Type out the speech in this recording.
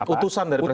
utusan dari presiden